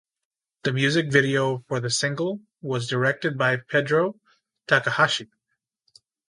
The music video for the single was directed by Pedro Takahashi.